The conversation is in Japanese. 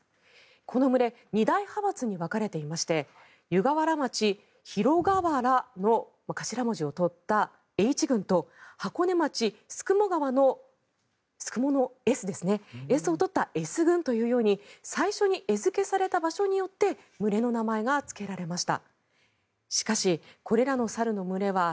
この群れ二大派閥に分かれていまして湯河原町、広河原の頭文字を取ったＨ群と箱根町須雲川の須雲のＳを取ったＳ群というように最初に餌付けされた場所によって群れの名前がつけられました。